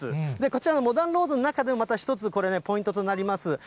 こちらのモダンローズの中でも、また１つ、これ、ポイントとなります